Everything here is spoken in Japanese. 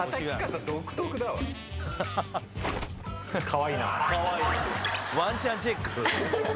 カワイイワンちゃんチェック？